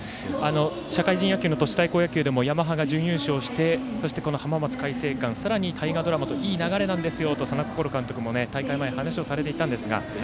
社会人野球の都市対抗野球でもヤマハが準優勝して、浜松開誠館さらに大河ドラマといい流れなんですと監督も大会前、話をされていたんですが。